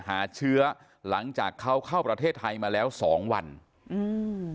หาเชื้อหลังจากเขาเข้าประเทศไทยมาแล้วสองวันอืม